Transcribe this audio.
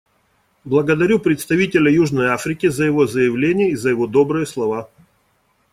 Благодарю представителя Южной Африки за его заявление и за его добрые слова.